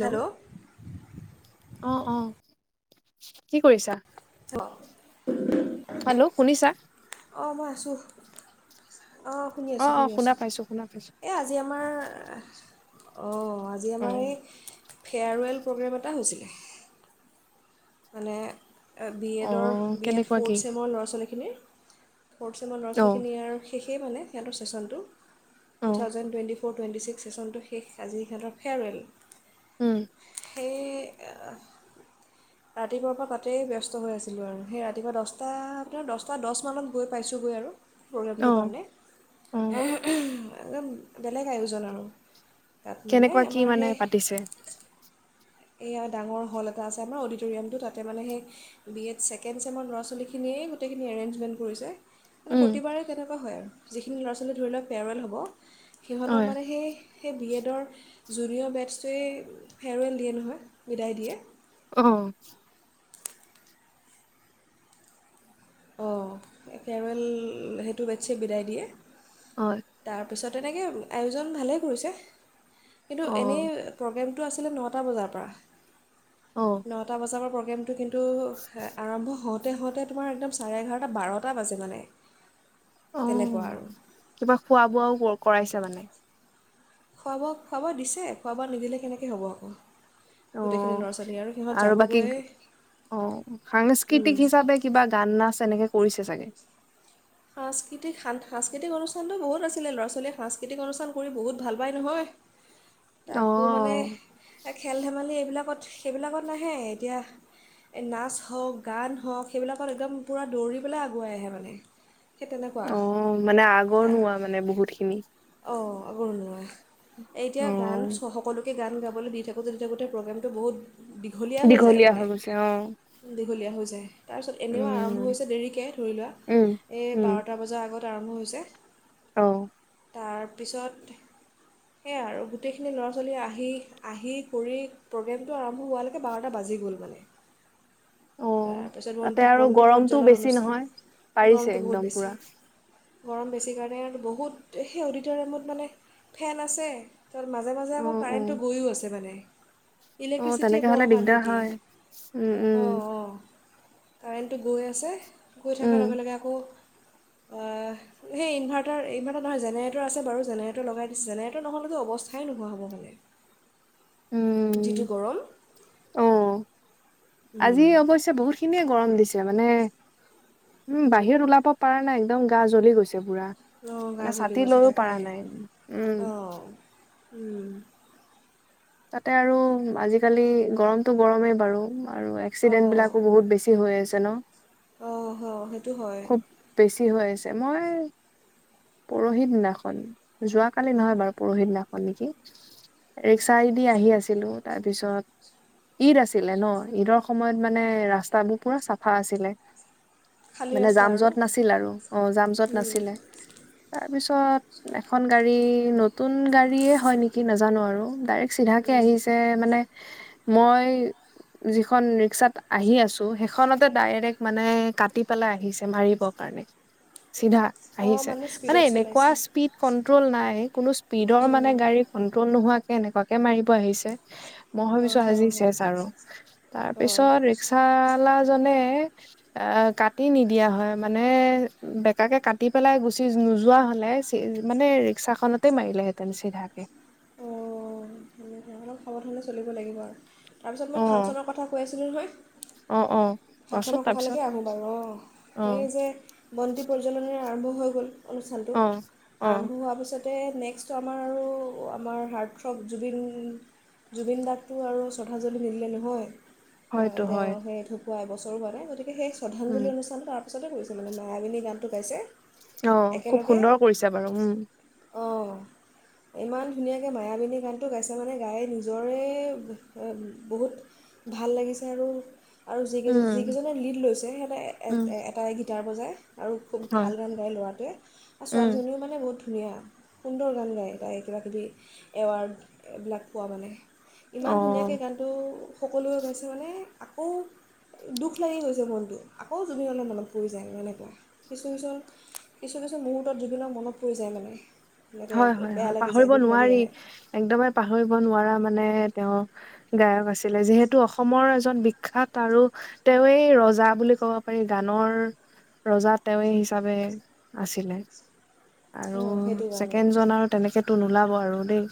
Hello অ অ কি কৰিছা [inaudible] হেল্ল' শুনিছা অসুখ অঁ শুনি অ আছোঁ অ শুনি শুনা আছোঁ পাইছো শুনা পাইছো এই আজি আমাৰ অ অ আজি অ আমাৰ এই ফেয়াৰৱেল প্ৰগ্ৰেম এটা হৈছিলে মানে বি অ এডৰ বি এড কেনেকুৱা কি ফ'ৰ্থ চছেমৰ ল'ৰা ছোৱালী খিনি ফ'ৰ্থ চেমৰ ল' অ ছোৱালীখিনি ই আৰু শেষেইে মানে সিহঁতৰ চেচনটো অ two thousand twenty four twenty six চেচনটো শেষ আজি সিহঁতৰ ফেয়াৰৱেল উম এই ৰাতিপুৱাৰ পৰা তাতেই ব্যস্ত হৈ আছিলোঁ আৰু সেই ৰাতিপুৱা দচটা আপোনাৰ দচটা দহ মানত গৈ পাইছোঁগৈ আৰু অ প্ৰগ্ৰেমটোৰ কাৰণে অ একদম বেলেগ আয়োজন আৰু তাত মানে কেনেকোৱা কি আমাৰ মানে সেই পাতিছে এইয়া ডাঙৰ হ'ল এটা আছে আমাৰ অডিটৰিয়ামটো তাতে মানে সেই বি এড ছেকেণ্ড চেমৰ ল'ৰা ছোৱালীখিনিয়েই গোটেইখিনি এৰেঞ্জমেণ্ট কৰিছে মানে উম প্ৰতিবাৰে তেনেকুৱা হয় আৰু যিখিনি ল'ৰা ছোৱালী ধৰি লোৱা ফেৱাৰৱেল হ'ব সিহঁতক হয় মানে সেই সেই বিয়েত ৰ জুনিয়ৰ বেটছটোৱে ফেয়াৰৱেল দিয়ে নহয় বিদায় দিয়ে অহ অঁ ফেৱাৰৱেল সেইটো বেটছে বিদায় দিয়ে হয় তাৰপিছত তেনেকৈ আয়োজন ভালে কৰিছে কিন্তু অ এনে প্ৰগ্ৰেম টো আছিলে নটা বজাৰ পৰা অ নটা বজাৰ প্ৰব্লেম টো কিন্তু আৰম্ভ হয় তেহঁতে তোমাৰ একদম চাৰে এঘাৰ টা বাৰটা বাজে মানে অ তেনেকুৱা আৰু কিবা খোৱা বোৱাও ক কৰাইছে তামানে খোৱা ব খোৱাব দিছে খোৱাাব নিদিলে কেনেকৈ হ'ব আকৌ অ গোটেইখিনি ল'ৰা ছোৱালী সিহঁত আৰু বাকী যাবগৈ অ সাংস্কৃতিক হিচাপে কিবা গান নাচ এনেকে কৰিছে চাগে সাংস্কৃতিক সান সাংস্কৃতিক অনুষ্ঠানটো বহুত আছিলে ল'ৰা ছোৱালীয়ে সাংস্কৃতিক অনুষ্ঠান কৰি বহুত ভাল পায় নহয় অ তাকো মানে খেল এ খেল ধেমালি এইবিলাকত সেইবিলাকত নাহে এতিয়া নাচ হওঁক গান হওঁক সেইবিলাকত একদম পূৰা দৌৰি পেলাই আগুৱাই আহে মানে সেই তেনেকুৱা অ মানে তাৰ আগৰনুৱোৱা মানে বহুত খিনি অঁ আকৌ নোজোৱা অ এতিয়া গান স সকলো সেই গান গাবলৈ দি থাকোঁতে দি থাকোঁতে প্ৰগ্ৰেমটো বহুত দীঘলীয়া হৈ যায় মানে দীঘলীয়া হৈ যায় তাৰপিছত এনেও আৰম্ভ উম হৈছে দেৰিকৈ ধৰি লোৱা উম এই বাৰটা বজাৰ আগত আৰম্ভ হৈছে অহ তাৰপিছত সেয়াই আৰু গোটেইখিনি ল'ৰা ছোৱালী আহি আহি কৰি প্ৰগ্ৰেমটো আৰম্ভ হোৱালৈকে বাৰটা বাজি গ'ল মানে অ তাৰপিছত তাতে বন্তি আৰু বন্তি গৰমটো প্ৰজ্বলন বেছি অনুষ্ঠান নহয় গৰমটো পাৰিছে বহুত একদম বেছি পুৰা গৰম বেছি কাৰণে আৰু বহুত সেই অডিটৰিয়ামত মানে ফেন আছে তাৰ মাজে মাজে অ আকৌ অ কাৰেণ্টটো গৈয়ো আছে মানে অ ইলেক্ট্ৰিচিটিয়ে তেনেকে বৰ হ'লে অশান্তি দিগদাৰ দিয়ে হয় উম উম অঁ অঁ কাৰেণ্টটো গৈ আছে গৈ উম থকাৰ লগে লগে আকৌ অ সেই ইনভাৰ্টাৰ [unintelligible] জেনেৰেটৰ আছে বাৰু জেনেৰেটৰ লগাই দিছে জেনেৰেট নহ'লেতো অৱস্থাই নোহোৱা হ'ব চাগে যিটো উম গৰম অ উম, আজি অৱশ্যে বহুত খিনিয়ে গৰম দিছে তামানে উম বাহিৰত ওলাব পৰা নাই একদম গা জ্বলি গৈছে বুৰা অঁ গা মানে জ্বলি ছাতি গৈছে লৈও পৰা তাকেহে নাই উম অঁ উম তাতে আৰু আজিকালি গৰমতটো গৰমেই বাৰু আৰু এক্সিডেন্ট অঁ বিলাকো বহুত বেছি হৈ আছে তেনো অঁ হ সেইট এটো হয় টী হৈ আছে মই পৰখি দিনাখন যোৱা কালি নহয় বাৰু পৰখি দিনাখন নেকি ৰিক্সাইদি আহি আছিলো তাৰপিছত ঈদ আছিলে ন ঈদৰ সময়ত মানে ৰাস্তাবোৰ পুৰা চাফা আছিলে খালী মানে ৰাস্তা জাম আৰু যত নাছিল আৰু অ জাম যত উম, নাছিলে তা তাৰপিছত এখন গাড়ী নতুন গাড়ী হয় নেকি নাজানো আৰু ডাইৰেক্ট চিধা কে আহিছে মানে মই যিখন ৰিক্সাত আহি আছো সেইখনতে ডাইৰেক্ট মানে কাটি পেলাই আহিছে মাৰিব কাৰণে চিধা অঁ আহিছে মানে স্পীডত এনেকুৱা চলাইছে স্পীড কন পেট্ৰ'ল নাই কোনো স্পীডৰ হয় মানে গাড়ী কণ্ট্ৰ'ল নোহাৱা কেনেকুৱাকে মাৰিব আহিছে মই হয় ভাবিছো আজি হয় চেচ আৰু তাৰ অঁ পিছত ৰিক্সালাজনে এ কাক কাটি নিদিয়া হয় মানে বেকাকে কাটি পেলাই গুচি নোযোৱা হলে চে মানে ৰিক্সা খনতেই মাৰিলেহেঁতেন চিধাকে অঁ অলপ সাৱধানে চলিব লাগিব আৰু তাৰপিছত অ মই ফাংচনৰ কথা কৈ আছিলোঁ নহয় অ অ পাছত ফাংচনৰ তাৰপিছত কথালৈকে আহোঁ বাৰু অঁ অ সেই যে বন্তি প্ৰজ্বলনৰে আৰম্ভ হৈ গ'ল অনুষ্ঠানটো অ অ আৰম্ভ হোৱাৰ পিছত তে নেক্সট আমাৰ আৰু আমাৰ হাৰ্টথ্ৰব জুবিন জুবিন দাকটো আৰু শ্ৰদ্ধাঞ্জলি নিদিলে নহয় হয়তো অ তেওঁ হয় সেই ধূ পোৱাই বছৰো হোৱা নাই গতি সেই উম শ্ৰদ্ধাঞ্জলি অনুষ্ঠানটো আৰু পাছতে পৰিছে মানে মায়াৱিনী গানটো গাইছে অ খুব একেলগে সুন্দৰ কৰিছে বাৰু উম অঁ ইমান ধুনীয়াকৈ মায়াবিনী গান টো গাইছে মানে গাই নিজৰে আ বহুত ভাল লাগিছে আৰু আৰু যিকেইজ উম যিকেইজনে লীড লৈছে সিহঁতে এ এ উম এ এটাইকে তাৰ বজাই আৰু খুব হয় ভাল গান গায় ল'ৰাটোৱে আৰু উম ছোৱালীজনীও মানে বহুত ধুনীয়া সুন্দৰ গান গায় তাই কিবাকিবি এৱাৰ্ড এইবিলাক পোৱা মানে ইমান ধুনীয়াকে অ গানটো সকলোৱে গাইছে মানে আকৌ দুখ লাগি গৈছে মনটো আকৌ জুবিনলৈ মনত পৰি যায় এনেকুৱা কিছু কিছুমান কিছু কিছু মুহূৰ্তত জুবিনক মনত পৰি যায় মানে এনেকৈ হয় হয় বেয়া হয় লাগি যায় পাহৰিব দুখ লাগি নোৱাৰি আহে একদমে পাহৰিব নোৱাৰা মানে তেওঁ গায়ক আছিলে যিহেতু অসমৰ এজন বিখ্যাত আৰু তেৱেই ৰজা বুলি ক'ব পাৰি গানৰ ৰজা তেৱে হিচাপে আছিলে আৰু অঁ সেইটো কাৰণে ছেকেণ্ড জন আৰু তেনেকেতো নোলাব আৰু [unintelligible]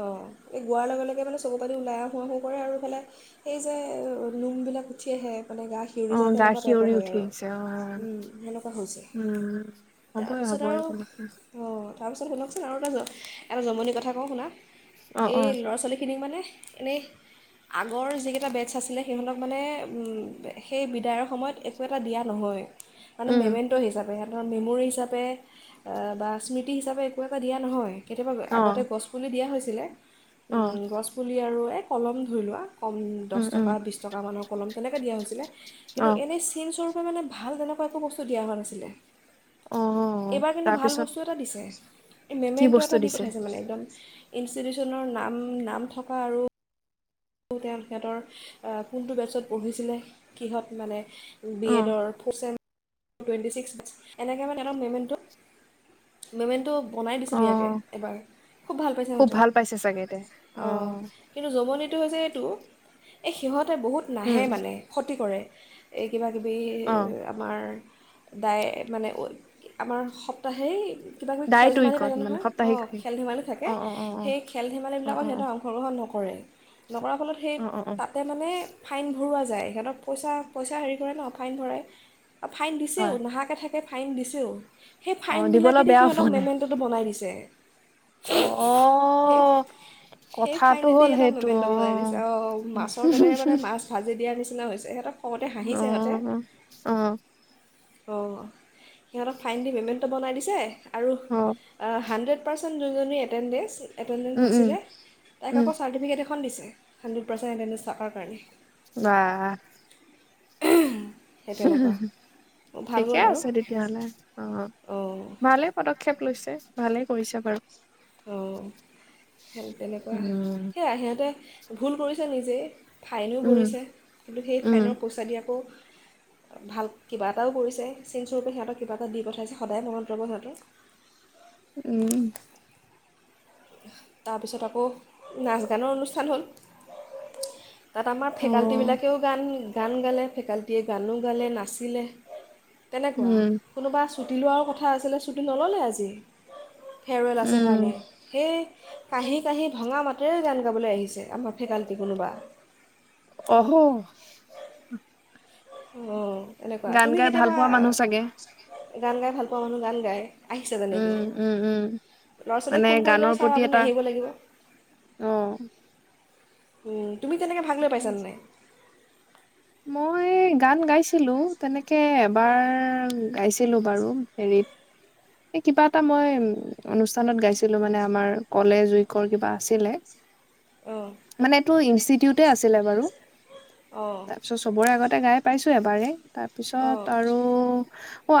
অ এই গোৱাৰ লগে লগে মানে চকু পানী ওলাই আহো আহো আহো কৰে আৰু ইফালে এই যে নোমবিলাক উঠি আহে মানে গা সিউৰি অ যায় গা তেনেকুৱা টাইপৰ শিয়ৰি হয় উঠি আৰু আহিছে অ সেনেকুৱা হৈছে উম হ'বই তাৰপিছত হ'বই আৰু তেনেকে অ তাৰপিছত শুনকচোন আৰু এটা এটা জমনি কথা কওঁ শুনা অ অ এই ল'ৰা ছোৱালীখিনিক মানে এনেই আগৰ যিকেইটা বেটছ আছিলে সিহঁতক মানে সেই বিদায়ৰ সময়ত একো এটা দিয়া নহয় মানে উম মেমেণ্টো হিচাপে ধৰা মেমৰি হিচাপে বা স্মৃতি হিচাপে একো এটা দিয়া নহয় কেতিয়াবা অ আগতে গছ পুলি দিয়া হৈছিলে অ উম গছ পুলি আৰু এ কলম ধৰি লোৱা কম দছ উম উম টকা বিছ টকা মানৰ কলম তেনেকৈ দিয়া হৈছিলে অ কিন্তু এনে চিন চৰু মানে ভাল তেনেকুৱা একো বস্তু দিয়া হোৱা নাছিলে অ এইবাৰ কিন্তু ভাল তাৰপিছত বস্তু এটা দিছে এই কি মেমেণ্টটো এটা বস্তু দি দিছে পঠাইছে মানে একদম ইনষ্টিটিউচনৰ নাম নাম থকা আৰু তেওঁ সিহঁতৰ কোনটো বেচত পঢ়িছিলে কিহঁত মানে বি অ এডৰ ফ টুৱেণ্টি ছিক্স এনেকৈ মানে এহেতৰ মেমেণ্টটো মেমেণ্টটো বনাই দিছিল অ ইয়াতে এবাৰ খুব ভাল পাইছে সিহঁতে ভাল পাইছে চাগে তাই অ কিন্তু জমনীত হৈছে এইটো এই সিহঁত ততে বহুত উম নাহে মানে ক্ষতি কৰে এই কিবাকিবি অ আমাৰ দাই মানে, আমাৰ সপ্তাহেই কিবা কিবি দাই খেল তুই ধেমালি কত থাকে মানে নহয়, সাপ্তাহিক অঁ! হেৰি। খেল ধেমালি থাকে। অ অ অ সেই খেল অ অ ধেমালিবিলাকত অ সিহঁতে অংশগ্ৰহণ নকৰে, নকৰাৰ ফলত সেই অ অ অ অ তাতে মানে ফাইন ভৰোৱা যায়, সিহঁতক পইচা, পইচা হেৰি কৰে ন! ফাইন ভৰায়। ফাইন দিছেও, হয় নাহাকে থাক সেই ফাইন দিছো সেই অ দিবলৈ ফাইনবিলাকেদি [unintelligible] বেয়া পোৱা নাই পাই দিছে অ সেই কথাটো ফাইনেদি হ'ল এটা সেইটো মমেণ্ট অ বনাই দিছে। অ' মাছৰ তেলেৰে মানে মাছ ভাজি দিয়া নিচি চিনা হৈছে সিহঁতক! খঙতে হাঁহিছে সিহঁতে উম অ অঁ! [inaudible] বনাই দিছে আৰু অ হাণ্ড্ৰেড অপাৰচন যোন জনী এটেণ্ডেঞ্চ! এটেণ্ডেঞ্চ উম উম নাছিলে। তাইক উম আকৌ চাৰ্টিফিকেট এ এখন দিছে, হাণ্ড্ৰেড পাৰ্চেণ্ট এটেণ্ডেজ থকাৰ কাৰণে। বাঃ! ওঁ! ঠিকে আৰু আছে তেতিয়াহলে অ অঁ ভালেই পদক্ষ ক্ষেপ লৈছে, ভালেই কৰিছে বাৰু! অঁ! সেইটো তেনেকুৱা, উম সেয়াই সিহঁতে ভুল কৰিছে নিজেই। ফাইনো উম ভৰিছে। কিন্তু, সেই উম ফাইনৰ পইচা দি আকৌ ভাল কিবা এটাও কৰিছে। চিনস্বৰূপে সিহঁতক কিবা এটা দি পঠাইছে, সদায় মনত ৰব সিহঁতৰ। উম! তাৰপিছত আকৌ, নাচ গানৰ অনুষ্ঠান হ'ল। তাত আমাৰ অ ফেকাল্টিবিলাকেও গান! গান গালে ফেকাল্টিয়ে, গানো গালে নাচিলে। তেনেকুৱা, উম কোনোবা ছুটি লোৱাৰ কথা আছিলে ছুটি নল'লে আজি ফেৰৱেল আছে উম কাৰণে সেই কাঁঢ়ি কাঁঢ়ি ভঙা মাতেৰে গান গাবলৈ আহিছে আমাৰ ফেকাল্টি কোনোবা আহহ উ এনেকুৱা গান তুমি গাই ভাল কেতিয়াবা পোৱা মানুহ চাগে। গান গাই ভাল পাওঁ মানুহ গান গায় আহিছে তেনেকৈ উম উম উম ল'ৰা ছোৱালীক মানে ফোন কৰিলে গানৰ ছাৰ প্ৰতি আপুনি এটা আহিব লাগিব উ উম তুমি কেনেকৈ ভাগ লৈ পাইছানে আছে। নাই মই গান গাইছিলো তেনেকে এবাৰ গাইছিলো বাৰু হেৰিত এই কিবা এটা মই অনুষ্ঠানত গাইছিলো মানে আমাৰ কলেজ উইকৰ কিবা আছিলে অঁ মানে এইটো ই তে আছিলে বাৰু অ তাৰ পিছত চবৰে আগতে গাই পাইছো এবাৰেই অঁ তাৰপিছত আৰু অ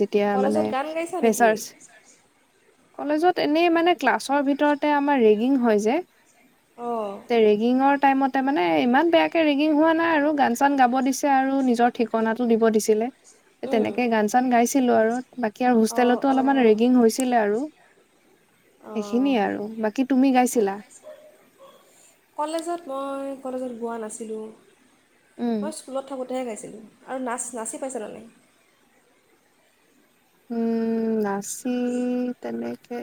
যেতিয়া মানে কলেজত গান গাইছা নেকি ফেচাৰ্চ কলেজত এনেই মানে ক্লাছৰ ভিতৰতে আমাৰ ৰেগিং হয় যে অঁ তে ৰেগিঙৰ টাইমতে মানে ইমান বেয়াকে ৰেগিং হোৱা নাই আৰু গান চান গাব দিছে আৰু নিজৰ ঠিকনাটো দিব দিছিলে উম, তেনেকে গান চান গাইছ ছিলোঁ আৰু বাকী আৰু অঁ হোষ্টেলতো অলপমান অঁ ৰেগিং হৈছে আৰু অঁ সেইখিনিয়ে আৰু বাকী তুমি গাইছিলা কলেজত মই কলেজত বোৱা নাছিলোঁ উম মই স্কুলত থাকোঁতেহে গাইছিলোঁ আৰু নাচ নাচি পাইছে নানে উম নাচি তেনেকে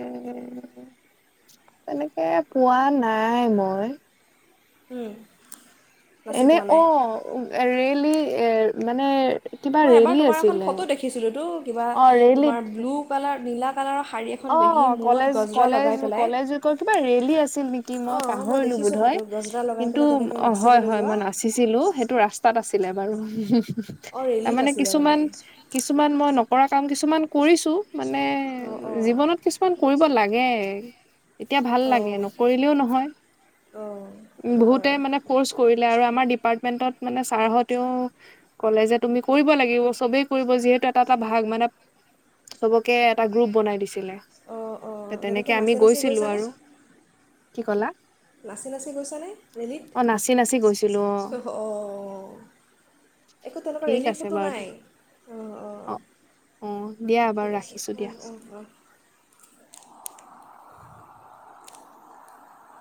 তেনেকে পোৱা নাই মই উম নাচি এনে পোৱা নাই অ ৰেলি এ মানে কিবা মই এবাৰ ৰেলী তোমাৰ এখন আছিলে ফটো দেখিছিলোঁতো কিবা অ তোমাৰ ৰেলীত ব্লু কালাৰ নীলা কালাৰৰ শাৰী এখন অ পিন্ধি মূৰত কলেজ গজৰা কলেজ লগাই পেলাই কলেজ কৈ কিবা ৰেলী আছিল নেকি মই অঁ পাহৰিলো দেখিছোঁ বোধয় ফটো গজৰা লগাই কিন্তু পেলাই তেনেকৈ হয় নাচিবলৈ হয় যোৱা মই নাচিছিলো সেইটো ৰাস্তাত আছিল ছিল বাৰু অঁ ৰেলীত তাৰমানে আছিলে কিছুমান মানে কিছুমান মই ন পৰা কাম কিছুমান কৰিছো মানে অঁ অঁ জীৱনত কিছুমান কৰিব লাগে এতিয়া ভাল লাগে অঁ নকৰিলেও নহয় অঁ সেইটো বহুতে হয় মানে কৰ্চ কৰিলে আৰু আমাৰ্ মেনত চাৰহতেও ক'লে যে তুমি কৰিব লাগিব চবেই কৰিব যিহেতু এটা এটা ভাগ মানে চবকে এটাগুপ বনাই দিছে অঁ অঁ তেনেকৈ তেনেকে আমি নাচি নাচি গৈছিলো গৈছানে আৰু কি কলা নাচি নাচি গৈছানে ৰেলীত? অ নাচি নাচি গৈছিলো অ অঁ! একো তেনেকুৱা ঠিক ৰেলীৰ আছে ফটো বাৰু নাই। দিয়া অঁ অঁ অ' অ' দিয়া ঠিক বাৰু আছে ৰাখিছো অঁ দিয়া। অঁ অঁ